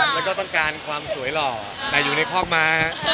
แล้วก็ต้องการความสวยหล่อแต่อยู่ในคอกม้า